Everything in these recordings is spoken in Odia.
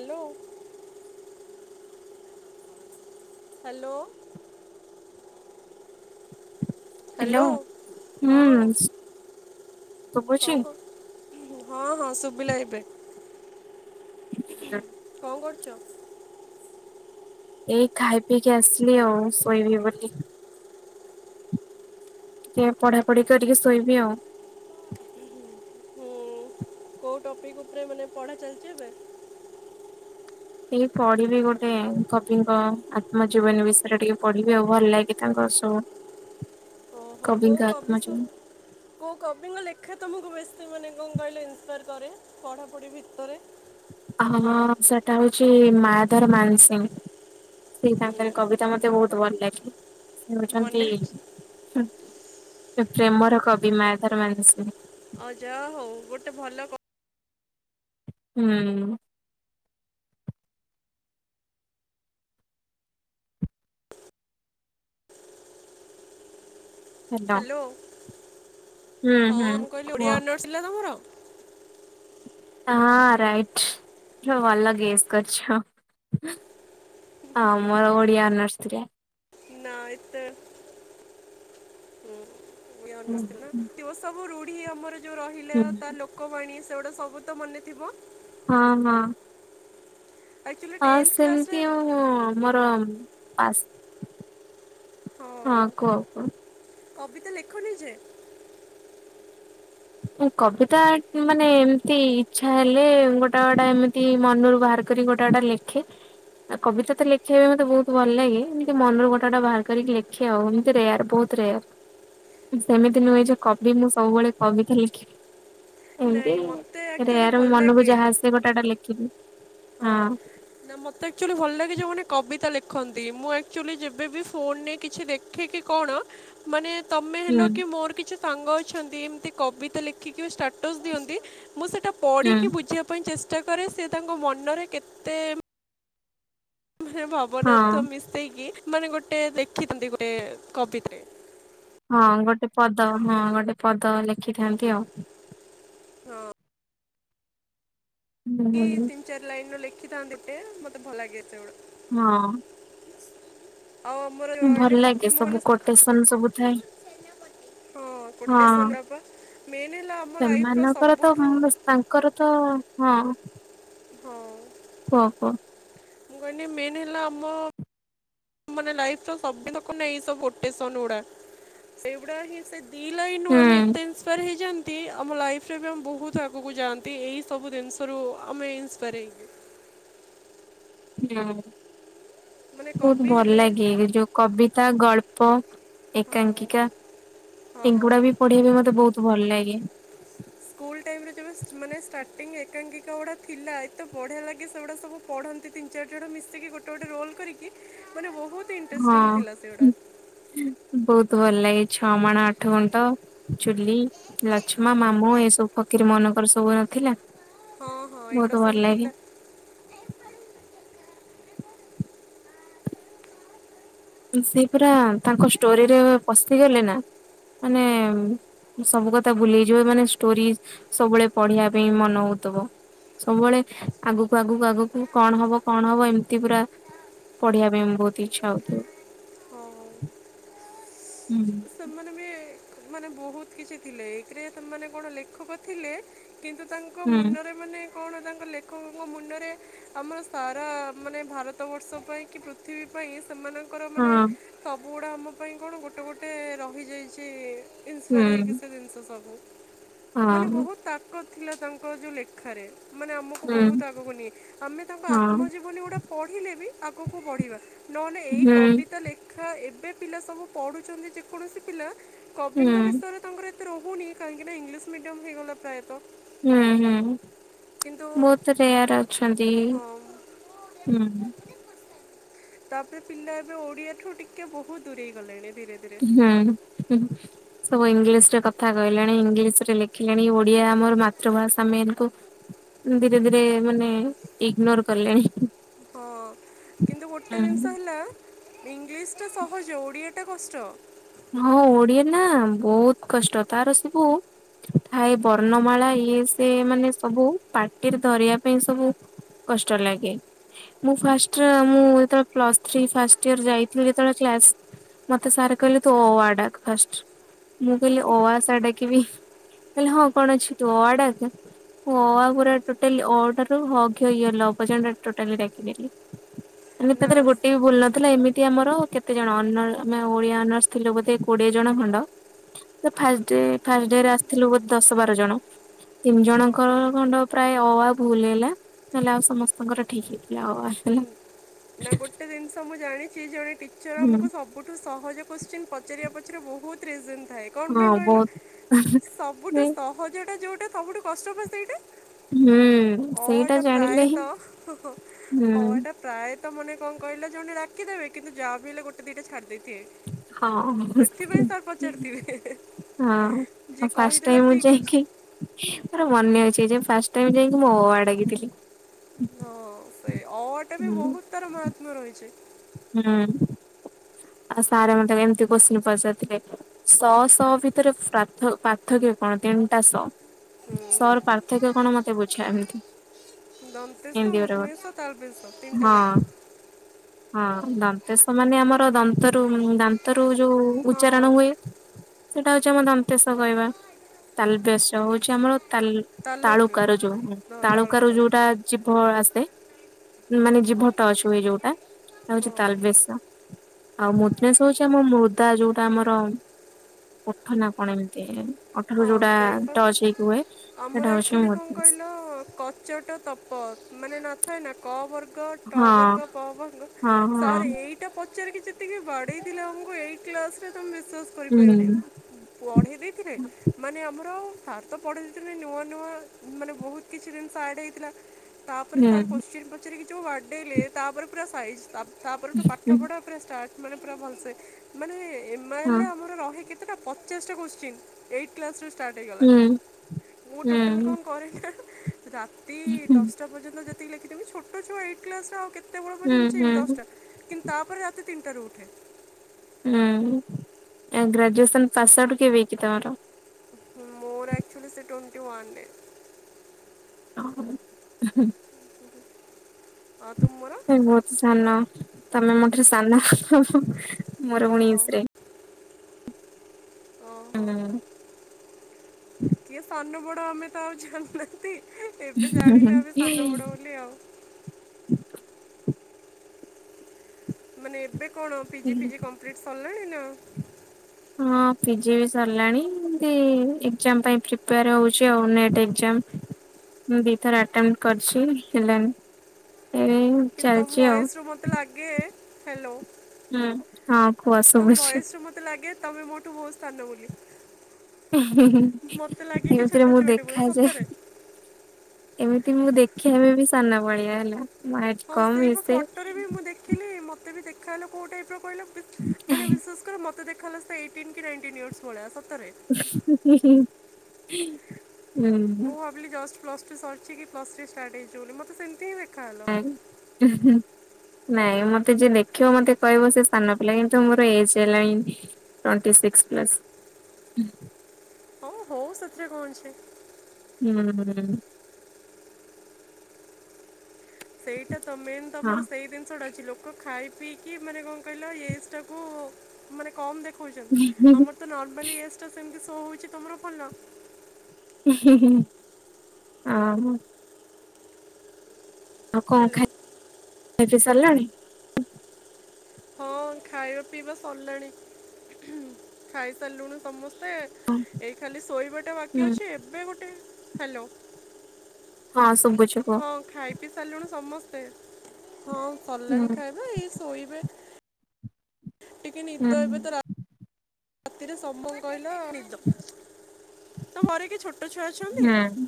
ହ୍ୟାଲୋ। ହ୍ୟାଲୋ। ହ୍ୟାଲୋ ହଁ ହୁଁ ଶୁଭୁଛି କଣ କ ହଁ ହଁ ଶୁଭ ବିଲାଇବେ କୋଉ [unintelligible] [unintelligible] ଏଇ ଖାଇ ପିଇକି ଆସିଲି ଆଉ ଶୋଇବି ବୋଲି ଟିକେ ପଢାପଢି କରିକି ଶୋଇବି ଆଉ। ହୁଁ କୋଉ ଟପିକ ଉପରେ ମାନେ ପଢା ଚାଲିଛି ଏବେ? ଏଇ ପଢିବି ଗୋଟେ କବିଙ୍କ ଆତ୍ମଜୀବନୀ ବିଷୟରେ ଟିକେ ପଢିବି ଆଉ ଭଲ ଲାଗେ ତାଙ୍କ ସବୁ ଓହୋ କୋଉ କବିଙ୍କ କବି ଆତ୍ମଜୀବନୀ। ସବୁ କୋଉ କବିଙ୍କ ଲେଖା ତୁମକୁ ବେଶୀ ମାନେ? ଭିତରେ ପଢ଼ାପଢ଼ି ଭିତରେ ହଁ ସେଟା ହଉଛି ମାତାଧର ମାନସିିଂ ସେ ହୁଁ ତାଙ୍କର କବିତା ମତେ ବହୁତ ଭଲ ଲାଗେ। ସେ ହଉଛନ୍ତି ମନେ ଅଛି ହୁଁ ସେ ପ୍ରେମର କବି ମାୟଧର ମାନସିଂହ। ଅ ଯା ହଉ ଗୋଟେ ଭଲ କ ହୁଁ। ହ୍ୟାଲୋ। ହୁଁ ହଁ ହୁଁ ମୁଁ କହିଲି କୁହ ଓଡିଆ ଅନର୍ସ ଥିଲା ତମର? ହଁ ରାଇଟ ଭଲ ଗେସ୍ କରିଛ ଆଉ ମୋର ଓଡିଆ ଅନର୍ଶ ଥିଲା। ଏଇତ ହୁଁ ହୁଁ। ବି ଆମର ଯୋଉ ରହିଲା ତା ଲୋକବାଣୀ ସେଉଡ଼ା ସବୁ ତ ମନେ ଥିବ? ହଁ ହଁ। ଆକ୍ଚୁଆଲି ହଁ ଟେନ୍ଥ କ୍ଲାସ୍ରେ ସେମିତି ଆଉ ମୋର ପାସ୍ ହଁ କୁହ କୁହ। କବିତା ଲେଖନି ଯେ। ଉଁ କବିତା ମାନେ ଏମତି ଇଚ୍ଛା ହେଲେ ଗୋଟା ଗୋଟା ଏମିତି ମନୁରୁ ବାହାର କରି ଗୋଟା ଗୋଟା ଲେଖେ, ଆ କବିତା ତ ଲେଖିବା ପାଇଁ ମତେ ବୋହୁତ ଭଲ ଲାଗେ, ଏମିତି ମନୁରୁ ଗୋଟା ଗୋଟା ବାହାର କରିକି ଲେଖେ ଆଉ, ଏମିତି ରେୟାର ବୋହୁତ ରେୟାର, ସେମିତି ନୁହେଁ ଯେ କବି ମୁଁ ସବୁବେଳେ କବିତା ଲେଖିବି। ଏମତି ନାଇଁ ମୋତେ ଆକ୍ଚୁଆଲି ରେୟାର ମୋ ଭଲ ମନୁକୁ ଲାଗେ ଯାହା ଆସେ ଗୋଟା ଗୋଟା ଲେଖିଦିଏ। ହଁ ନାଁ ମତେ ଆକ୍ଚୁଆଲି ଭଲ ଲାଗେ ଯୋଉମାନେ କବି ତା ଲେଖନ୍ତି, ମୁଁ ଆକ୍ଚୁଲି ଯେବେ ବି ଫୋନରେ କିଛି ଦେଖେ କି କଣ ମାନେ ତମେ ହେଲ ହୁଁ କି ମୋର କିଛି ସାଙ୍ଗ ଅଛନ୍ତି ଏମତି କବିତା ଲେଖିକି ବି ଷ୍ଟାଟସ୍ ଦିଅନ୍ତି। ମୁଁ ସେଇଟା ହୁଁ ପଢିକି ବୁଝିବା ପାଇଁ ଚେଷ୍ ଟା କରେ ସିଏ ତାଙ୍କ ମ ନରେ କେତେ ମାନେ ହଁ। ଭାବନାର୍ଥ ମିଶେଇକି ମାନେ ଗୋଟେ ଦେଖିଥାନ୍ତି ଗୋଟେ କବିତାରେ। ହଁ ଗୋଟେ ପଦ ହଁ ଗୋଟେ ପଦ ଲେଖିଥାଆନ୍ତି ଆଉ। ହଁ ହୁଁ ତିନ୍ ଚାର ଲାଇନର ଲେ ଖି ଥାନ୍ତି ଗୋଟେ ମତେ ଭଲ ଲାଗେ ସେଉଡ଼ା। ହଁ। ଆଉ ଆମର ଯୋଉ ରହିଲେ ଭଲ ଲାଗେ ଫକୀର ମୋହନ ସବୁ କୋଟେସନ ସବୁ ଥାଏ, ହଁ ହଁ କୋଟେସନ ବାପା ମେନ୍ ହେଲା ଆମ ଲାଇଫ ର ସେମାନଙ୍କର ତ ସବୁଠୁ ତାଙ୍କର ତାଙ୍କର ତ ହଁ। ହଁ। ଓ ହୋ। ମୁଁ କହିନି ମେନ୍ ହେଲା ଆମ ମାନେ ଲାଇଫର ସବିତକ ନାଁ ଏଇ ସବୁ କୋଟେସନ ଉଡା, ସେଉଡା ହିଁ ସେ ଦି ଲାଇନୁ ଆମେ ହୁଁ। ଏତେ ଇନ୍ସପାୟାର ହେଇଯାଆନ୍ ନ୍ତି ଆମ ଲାଇଫରେ ବି ଆମ ବୋହୁତ ଆଗୁକୁ ଯାଆନ୍ତି, ଏଇ ସବୁ ଦିନିଷରୁ ଆମେ ଇନ୍ସପାୟାର ହେଇକି। ହଁ। ମାନେ ବୋହୁତ କବି ଭଲ ହେଲେ ଲାଗେ ଯୋଉ କବିତା ଗଳ୍ ପ ହଁ ଏକାଙ୍କିକା, ହଁ ଏଗୁଡା ବି ପଢ଼ିବା ପାଇଁ ମତେ ବୋହୁତ ଭଲ ଲାଗେ। ଇଏ ସ୍କୁଲ ଟାଇମରେ ଯେବେ ସ୍ ମାନେ ଷ୍ଟାର୍ଟିଂ ଏକାଙ୍କିଙ୍କା ଉଡ଼ା ଥିଲା ଏତେ ବଢ଼ିଆ ଲାଗେ ସେଉଡ଼ା ସବୁ ପଢ଼ନ୍ତି ତିନି ଚାରିଜଣ ମିଶିକି ଗୋଟେ ଗୋଟେ ରୋଲ୍ କରିକି ମାନେ ବୋହୁ ହଁ ହୁଁ ବୋଉ ତ ଭଲ ଲାଗେ ଛଅ ମାଣ ଆଠ ଗୁଣ୍ଠ, ଚୁଲି, ଲଚ୍ଛମା, ମାମୁଁ, ଏସବୁ ଫଖିର ମୋହନଙ୍କର ସବୁ ନଥିଲା? ହଁ ହଁ ବହୁତ ଏଇଗୁଡା ଭଲ ସବୁ ଲାଗେ। ଥିଲା। ସେ ପୁରା ତାଙ୍କ ଷ୍ଟୋରିରେ ପଶିଗଲେ ନା ମାନେ ସବୁ କଥା ଭୁଲିଯିବ, ମାନେ ଷ୍ଟୋରି ସବୁବେଳେ ପଢିବା ପାଇଁ ମନ ହଉଥିବ ସବୁବେଳେ ଆଗକୁ ଆଗକୁ ଆଗକୁ କଣ ହବ କଣ ହବ ଏମିତି ପୁରା ପଢିବା ପାଇଁ ବହୁତ ଇଚ୍ଛା ହଉଥିବ। ହଁ ହୁଁ ସେମାନେ ବି ମାନେ ବହୁତ କିଛି ଥିଲେ ଏଥିରେ ମାନେ କଣ ଲେଖକ ଥିଲେ କିନ୍ତୁ ତାଙ୍କ ହୁଁ ମୁନରେ ମାନେ କଣ ତାଙ୍କ ଲେଖକଙ୍କ ମୁଣ୍ଡରେ ଆମର ସାରା ମାନେ ଭାରତବର୍ଷ ପାଇଁ କି ପୃଥିବୀ ପାଇଁ ସେମାନଙ୍କର ହଁ ମାନେ ସବୁ ବୁଗୁଡା ଆମ ପାଇଁ କଣ ଗୋଟେ ଗୋଟ ତେ ରହିଯାଇଚି। ହୁଁ ଇନ୍ସପାୟାର ହେଇକି ସେ ଜିନିଷ ସବୁ। ମାନେ ହଁ ବହୁତ ତାକତ ଥିଲା ତାଙ୍କ ଯୋଉ ଲେଖାରେ ମାନେ ଆମୁକୁ ହୁଁ ବହୁତ ଆଗକୁ ନିଏ ଆମେ ତାଙ୍କ ହଁ ଆତ୍ମଜିବନୀ ଗୁଡ଼ା ପଢ଼ିଲେ ବି ଆଗୁକୁ ବଢ଼ିବା ନହେଲେ ଏଇ ହୁଁ କବିତା ଲେଖା ଏବେ ପିଲା ସବୁ ପଢୁ ଛନ୍ତି ଯେକୌଣସି ପିଲା ହୁଁ କବିଙ୍କ ବିଷୟରେ ତାଙ୍କର ଏ ଏତେ ରହୁନି କାହିଁକି ନା ଇଂଲିଶ ମିଡିୟମ ହେଇଗଲା ପ୍ରାୟ ହୁଁ ହୁଁ କିନ୍ତୁ ବହୁତ ରେୟାର ଅଛନ୍ତି ହଁ ହୁଁ। ତାପରେ ପିଲା ଏବେ ଓଡିଆ ଠୁ ଟିକେ ବହୁତ ଦୂରେଇ ଗଲେଣି ଭି ହୁଁ ସବୁ ଇଂଲିଶ ରେ କଥା କହିଲେଣି ଇଂଲିଶରେ ଲେଖିଲେଣି ଓଡିଆ ଆମର ମାତୃଭାଷା ମେନକୁ ଧୀରେ ଧୀରେ ମାନେ ଇଗନୋର କଲେଣି। ହଁ କିନ୍ତୁ ଗୋଟେ ଜିନିଷ ହୁଁ। ହେଲା ଇଂଲିଶଟା ସହଜ ଓଡ଼ିଆଟା କଷ୍ଟ ହଁ ଓଡିଆ ନା ବହୁତ କଷ୍ଟ ତାର ସବୁ ଥାଏ ବର୍ଣ୍ଣମାଳା ଇଏ ସେ ମାନେ ସବୁ ପାଟିରେ ଧରିବା ପାଇଁ ସବୁ କଷ୍ଟ ଲାଗେ ମୁଁ ଫାଷ୍ଟ ମୁଁ ଯେତେବେଳେ ପ୍ଲସ ଥ୍ରୀ ଫାଷ୍ଟ ଇଅର ଯାଇଥିଲି ଯେତେବେଳେ କ୍ଲାସ ମତେ ସାର୍ କହିଲେ ତୁ ଅ ଆ ଡାକ୍ ଫାଷ୍ଟ ମୁଁ କହିଲି ଅ ଆ ସାର୍ ଡାକିବି କହିଲେ ହଁ କଣ ଅଛି ତୁ ଅ ଆ ଡାକ୍ ମୁଁ ଅ ଆ ଗୁରା ଟୋଟାଲି ଅ ଠାରୁ ହ କ୍ଷ ୟ ଲ ପର୍ଯ୍ୟନ୍ତ ଟୋଟାଲି ଡାକିଲି। ମାନେ ତାଦିହରେ ନା ଗୋଟେ ବି ଭୁଲ ନଥିଲା ଏମି ମିତି ଆମର କେତେ ଜଣ ଅନର ଆମେ ଓଡିଆ ଅର୍ନସ୍ ଥିଲୁ ବୋଧେ କୋଡିଏ ଜଣ ଖଣ୍ଡ ଫାଷ୍ଟ ଡେ ଫାଷ୍ଟ ଡେରେ ଆସିଥିଲୁ ବୋଧେ ଦଶ ବାର ଜଣ ତିନି ହଁ ଜଣଙ୍କର ଖଣ୍ଡ ପ୍ରାୟ ଅ ଆ ଭୁଲ ହେଲା ନହେଲେ ଆଉ ସମସ୍ତଙ୍କର ଠିକ ହେଇଥିଲା ଅ ଆ ହେଲା। ଉଁ, ପିକ୍ଚର ହୁଁ ଆମୁକୁ ସବୁଠୁ ସହଜ କୋଶ୍ଚିନ୍ ପଚାରିବା ପଚାରିବା ବହୁତ ରିଜିନ୍ ଥାଏ କଣ ପାଇଁ ହଁ କହିଲ ବହୁତ ସବୁଠୁ ସହଜଟା ଯୋଉ ଟା ସବୁଠୁ କଷ୍ଟ ବା ସେଇଟା। ହୁଁ ଅ ଆ ସେଇଟା ଟା ପ୍ରାୟ ଜାଣିଲେ ହିଁ ତ ଅ ହୁଁ ଆ ଟା ପ୍ରାୟ ତ ମାନେ କଣ କହିଲ ଜଣେ ଡାକି ଦବେ କିନ୍ତୁ ଯାହା ବି ହେଲେ ଗୋଟେ ଦିଟା ଛାଡି ଦେଇଥିବେ। ହଁ ହଁ ଫାଷ୍ଟ ସେଥିପାଇଁ ସାର୍ ପଚାରିଥିବେ ଯିଏ କହିଦେଲା ଟାଇମ ମୁଁ ଠିକ୍ ଯାଇକି ଅଛି ମୋର୍ ମନେ ଅଛି। ସେ ଯୋଉ ଫାଷ୍ଟ ଟାଇମ ଯାଇକି ମୁଁ ଅ ଆ ଡାକିଥିଲି। ଅ ଟା ବି ବହୁତ ତାର ମହାତ୍ମ୍ୟ ରହିଛି। ହୁଁ ଆଉ ସାରେ ମ ଏମିତି କୋସିନ ପଚାରି ଥିଲେ ଶହ ଶହ ଭିତରେଥ ପାର୍ଥକ୍ୟ କଣ ତିନିଟା ଶହ? ସର ପାର୍ଥକ୍ୟ କଣ ମତେ [inaudible] ଦମତେସ ଏମିତି ଗୋଟେ ଗୋଟେ। ମୁଦନିସ ତାଲ ବିସ ତିନଟା ହଁ ଜାଗ ହଁ ଦନ୍ତେଶ ମାନେ ଆମର ଦନ୍ତରୁ ଦାନ୍ତରୁ ଯଉ ଉଚ୍ଚାରଣ ହୁଏ ସେଇଟା ହଉଛି ଆମର ଦନ୍ତେଶ କହିବା ତାଲବେେଶ ହଉଛି ଆମର ତା ତାଳୁକାର ର ଯୋଉ ତାଳୁକାର ର ଯୋଉଟା ଜୀଭ ଆସେ ମାନେ ଜୀଭଟ ଅଛୁଏ ଯୋଉଟା ହଉଛି ହଁ ତାଲ ବିସ ଆଉ ମୁଦନେସ୍ ହଉଛି ଆମ ମୃଦା ଯୋଉଟା ଆମର ପଠ ନା କଣ ଏମିତି ଓଠରୁ ହଁ ଯୋଉଟା ସେଇପ ଟଚ୍ ହେଇକି ହୁଏ ସେଟା ଆମର ହଉଛି ଆକ୍ଚୁଆଲି କଣ ମୁଡନେସ୍। କହିଲ କଚଟ ତପତ ମାନେ ନଥାଏ ନା କବର୍ ହଁ ଟବର୍ଗ ପବର୍ଗ ହଁ ହଁ ସାର୍ ଏଇଟା ପ ପଚାରିକି ଯେତିକି ବାଡେଇ ଥିଲେ ଆମକୁ ଏଇଟ କ୍ଲାସ ରେ ତ ବିଶ୍ୱାସ ହୁଁ କରିପାରିବନି ପଢେଇ ଦେଇଥିଲେ। ମାନେ ଆମର ସ ତ ପଢରେ ନୂଆ ନୂଆ ମାନେ ବହୁତ କିଛି ଜିନିଷ ଆଡ଼୍ ହେଇଥିଲା ତାପରେ ହୁଁ ସାର କ୍ୱେଶ୍ଚିନ ପଚରିକି ଯୋଉ ବାଟେଇଲେ ତାପରେ ପୁରା ସାଇଜ୍ ତା ତାପରେଠୁ ପାଠ ହୁଁ ପଢା ଉପରେ ଷ୍ଟାର୍ଟ ମାନେ ପୁରା ଭଲସେ ମାନେ ଏମାଏଲ୍ ହଁ ରେ ଆମର ରହେ କେତେ ସେଟା ପଚେଷ୍ଟା କ୍ୱେଶ୍ଚେନ୍ ଏଇ କ୍ଲାସରୁ ଷ୍ଟାର୍ଟ ହେଇଗଲା ହୁଁ ମୁଁ ହୁଁ ଟୋଟାଲ କଣ କରିନା ରାତି ହୁଁ ଦଶଟା ପର୍ଯ୍ୟନ୍ତ ଯେ [inaudible] ଛୋଟ ଏଇଟ କ୍ଲାସରେ ଆଉ କେତେ କେତେବେଳେ ହୁଁ ପର୍ଯ୍ୟନ୍ତ ଚେନେବେ ହୁଁ। ଦଶଟା କିନ୍ତୁ ତାପରେ ରାତି ତିନିଟାରୁ ଉଠେ। ହୁଁ ଗ୍ରାଜୁଏସନ୍ ପାସ ଆଉଟ କେବେ ହେଇଛି ତମର? ମୋର ଆକ୍ଚୁଲି ସେ ଟ୍ୱଣ୍ଟିୱାନ୍ ରେ। ହଁ,। ଆଉ ତୁମର ସେ ବହୁତ ସାନ ତମେ ମୋଠାରୁ ସାନ ମୋର ଓହୋ ଉଣେଇଶ ରେ। ଓ ହୋ କିଏ ସାନୁ ବଡ ଆମେ ଆଉ ଜାନିନାହାନ୍ତି ଏବେ ଜାଣିଲେ ଆମେ ସାନ ବଡ ବୋଲି ଆଉ, ମାନେ ଏବେ କଣ ପିି ଜି ହୁଁ ଫିଜି କମ୍ପ୍ଲିଟ ସ ନାଁ ନାଁ ହଁହଁ ପିଜିବି ସରିଲାଣି ଏମତି ଏକ୍ଜାମ ପାଇଁ ପ୍ରିପେୟାର ହେଉଛି ଆଉ ନେଟ୍ ଏକ୍ଜାମ ଦୁଇଥର ଆଟେମ୍ପଟ କରିଛି ହେଲାନି, ଏବେ କିନ୍ତୁ ତମ ଚାଲିଛି ଆଉ। ଭୟସ ରୁ ମତେ ଲାଗ କିଏ ହ୍ୟାଲୋ ହୁଁ ହଁ କୁହ ତମ ଶୁଭଛି, ଭଏସ୍ରୁ ମୋତେ ଲାଗେ ତମେ ମୋଠୁ ବହୁତ ସାନ ବୋଲି ମୋତେ ଲାଗେ କି ଏମିତିରେ ଛୋଟ ମୁଁ ଛୁଆଟେ ବୋଲି ଦେଖାଯାଏ ସତରେ ଏମିତି ମୁଁ ଦେଖିବା ବି ସାନ ଭଳିଆ ହେଲା, ହାଇଟ ହଁ କମ୍ ଇଏ ସେଇବା ସିଏ ଫଟୋରେ ବି ମୁଁ ଦେଖିଲି ମତେ ବି ଦେଖ ଦେଖାଗଲା କୋଉ ଟାଇପର ମୁଁ ମାନେ ବିଶ୍ୱାସ କର ଦେଖାଗଲା ଏଇଟିନ୍ କି ନାଇଣ୍ଟିନ୍ ଇଅରସ ଭଳିଆ ସ ଉ ହୁଁ ହୁଁ ହୁଁ, ମୁଁ ଭାବିଲି ଯଷ୍ଟ ପ୍ଲସ ଟୁ ସରିଛି କି ପ୍ଲସ ଥ୍ରୀ ଷ୍ଟାଟ ହେଇଚି ବୋଲି ସେମିତିିଁ ଆନ୍ ହଁ ହୁଁ ନାଇଁ ମୋତେ ଯିଏ ଦେଖିବ ମୋତେ କହିବ ସେ ସାନ ପିଲା କିନ୍ତୁ ମୋର ଏଜ୍ ହେଲାଣି ଟୋଣ୍ଟି ସିକ୍ସ ପ୍ଲସ୍, ହଉ ହଉ ସେଥିରେ କଣ ଅଛି, ହୁଁ, ସେଇଟା ତମେ ତମର ସେଇ ଜିନିଷଟା ଅଛି ଲୋକ ଖାଇ ପିଇକି ମାନେ କଣ କହିଲ ଏଜଟା କୁ ମାନେ କମ ଦେ ଖୁଛନ୍ତି ଆମର ତ ନର୍ମାଲି ଏଜଟା ସେମ ହେଉଛି ତୁମର ଭଲ? ଉଁ ହୁଁହୁଁ ଆଉ କଣ ହ୍ୟାଲୋ। ଖାଇ ପିଇ ସାରିଲଣି। ହଁ ଖାଇବା ପିଇବା ସରିଲାଣି -ଖାଇସାରିଲୁଣୁ ସମସ୍ତେ। ଏ -ଏଇ ଖାଲି ଶୋଇବାଟା ବାକି ହୁଁ ଅଛି ଏବେ ଗୋଟେ। ହ୍ୟାଲୋ। ହଁ ସବୁ। ହଁ ଖାଇ ପିଇ ସାରିଲୁଣୁ ସମସ୍ତେ। ହଁ ହୁଁ ସରିଲାଣି ଖାଇବା ଏଇ ଶୋଇବେ ଟିକେ ହୁଁ ନିଦ ଏବେ ତ ରା ରାତିରେ ସମ୍ଭବ କହିଲେ ତ ନିଦ ତମ ଘରେ କିଏ ଛୋଟ ଛୁଆ ଅଛନ୍ତି? ହୁଁ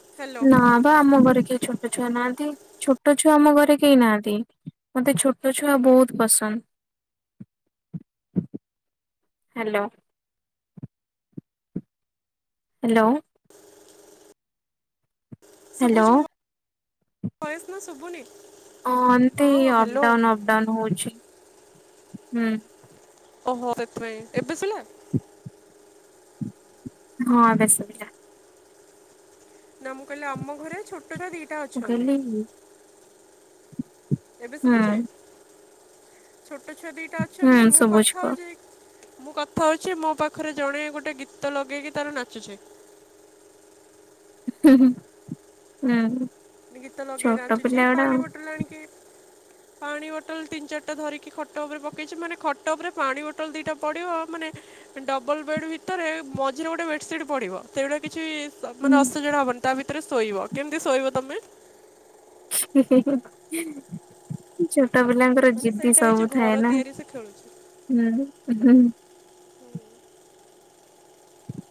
ହ୍ୟାଲୋ ନା ବା ଆମ ଘର କେହି ଛୋଟ ଛୁଆ ନାହାଁନ୍ତି। ଛୋଟ ଛୁଆ ଆମ ଘରେ କେହି ନାହାନ୍ତି। ମତେ ଛୋଟ ଛୁଆ ବହୁତ ପସନ୍ଦ। ହ୍ୟାଲୋ। ହ୍ୟାଲୋ। ହ୍ୟାଲୋ ଶୁଭୁଚି ମୋ ଭଏସ୍ ନା ଶୁଭୁନି? ଅନ୍ତି ହଁ ହ୍ୟାଲୋ ଅପଡାଉନ୍ ଅପଡାଉନ୍ ହଉଛି। ହୁଁ। ଓହୋ ସେଥିପାଇଁ ଏବେ ସଇଲା ହଁ ଏବେ ଶୁଭିଲା। ନା ମୁଁ କହିଲି ଆମ ଘରେ ଛୋଟ ଛୋଟଛୁଆ ଦିଟା ମୁଁ ଅଛନ୍ତି। କହିଲି ହୁଁ ଏବେ ଶୁଭୁଚି? ଛୋଟ ଛୁଆ ଦିଟା ହୁଁ ଅଛନ୍ତି ମୁଁ ଶୁଭୁଛି କଥା କୁହ। ହଉଛି ମୁଁ କଥା ହଉଛି ମୋ ପାଖରେ ଜଣେ ଗୋଟେ ଗୀତ ଲଗେଇକି ତାର ନାଚୁଛି। ହୁଁ। ଗୀତ ଲଗେଇ ଛୋଟ ନାଚୁଚି ପିଲା ଗୁଡା ପାଣି ଆଉ। ବୋଟଲ୍ ଆଣିକି ପାଣି ବୋଟଲ୍ ତିନି ଚାରିଟା ଧରିକି ଖଟ ଉପରେ ପକେଇଚି ମାନେ ଖଟ ଉପରେ ପାଣି ବୋଟଲ ଦିଟା ପଡିବ ମାନେ ଡବଲ ବେଡ୍ ଭିତରେ ମଝିରେ ଗୋଟେ ବେଡସିଟ୍ ପଡିବ। ତେଣେ କିଛି ସବ୍ ମାନେ ହୁଁ ଅସଜଡା ହବନି। ତା ଭିତରେ ଶୋଇବ କେନ୍ତି ଶୋଇବ ତମେ? ଉଁ ହୁ ହୁ ଉଁ ଛୋଟ ପିଲାଙ୍କ ମାନେ ଜିଦି ସେଇଟା ହେଇଛି ସବୁ ଘର ଥାଏ ନା ତିଆରି ସେ ଖେଳୁଛି ହୁଁହୁଁ।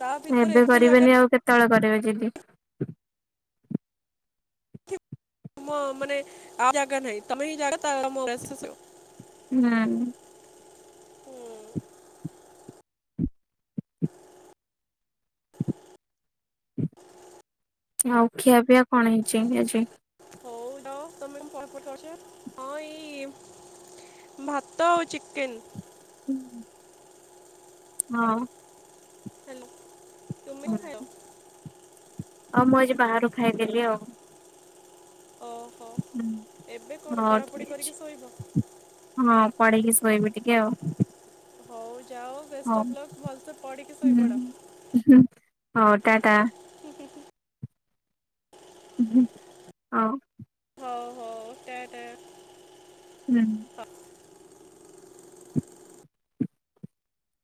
ତା ଭିତରେ ଏବେ ଏତେ ଜାଗା କରିବେନି ଆଉ କେ କେତେବେଳେ କରିବେ ଜିଦି। ଥିବ, ମୋ ମାନେ ଆଉ ଜାଗା ନାହିଁ ତମେ ହିଁ ଜାଗା ତ [unintelligible] ହୁଁ ଉଁ। ହୁଁ। ଆଉ ଖିଆ ପିଆ କଣ ହେଇଛି ଆଜି? ହଉ ରହ ତମେ କଣ ପଚାରୁଛ ହଁ ଏଇ ଭାତ ଆଉ ଚିକେନ୍। ହୁଁ। ହଁ। ହେଲା। [unintelligible] ଆଉ ମୁଁ ଆଜି ବାହାରୁ ଖାଇଦେଲି ଆଉ। ଓହୋ ହୁଁ ଏବେ କଣ ହଁ ପଢ଼ାପଢ଼ି ଠିକ ଅଛି, କରିକି ଶୋଇବ? ହଁ ପଢିକି ଶୋଇ ଶୋଇବି ଟିକେ ଆଉ। ହଉ ଯାଅ ବେଷ୍ଟ ହଉ। ଅଫ୍ ଲକ୍, ଭଲସେ ପଢିକି ହୁଁ ଶୋଇପଡ। ହଉ ଟାଟା। [unintelligible] ହଁ ହଉ ହଉ ଟା ଟା। ହୁଁ। ହଁ